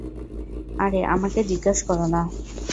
আরে, আমাকে জিজ্ঞেস করো না।